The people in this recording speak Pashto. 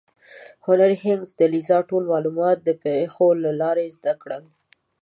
هنري هیګینز د الیزا ټول معلومات د پیښو له لارې زده کړل.